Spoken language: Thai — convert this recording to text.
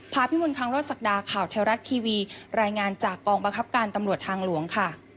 พิมลคังรถศักดาข่าวไทยรัฐทีวีรายงานจากกองบังคับการตำรวจทางหลวงค่ะ